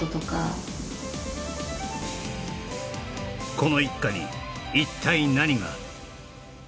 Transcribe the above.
この一家に一体何が？